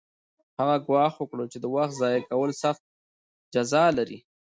هغه ګواښ وکړ چې د وخت ضایع کول سخته جزا لري